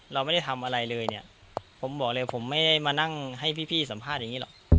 เราไม่ได้ทำอะไรเลยเนี่ยผมบอกเลยผมไม่ได้มานั่งให้พี่สัมภาษณ์อย่างนี้หรอก